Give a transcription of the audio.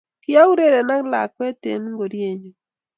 kiaureren ak lakwee em ngoriee nyu